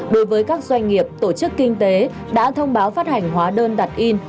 đối với các doanh nghiệp tổ chức kinh tế đã thông báo phát hành hóa đơn đặt in